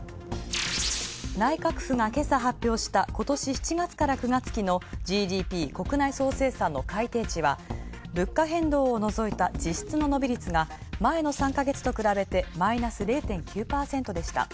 内閣府が今朝発表した今年７月から９月期のＧＤＰ＝国内総生産の改定値は物価変動を除いた実質の伸び率が前の３か月と比べて、マイナス０．９％でした。